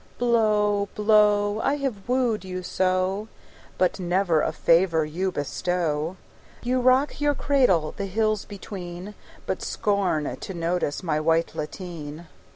Blow, blow! I have wooed you so, But never a favour you bestow. You rock your cradle the hills between, But scorn to notice my white lateen.